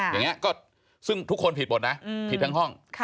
อย่างนี้ก็ซึ่งทุกคนผิดหมดนะผิดทั้งห้อง